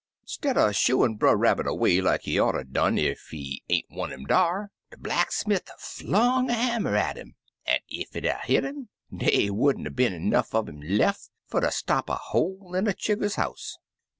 "Stidder shooin' Brer Rabbit away like he oughter done ef he ain't want 'im dar, de blacksmifT flung a hammer at 'im, an' ef it had 'a' hit 'im dey would n't 'a' been 'nough un 'im lef fer ter stop a hole in a chigger's house.